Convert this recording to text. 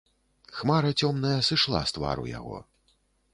Хмара цёмная сышла з твару яго.